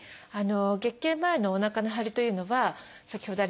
月経前のおなかの張りというのは先ほどありました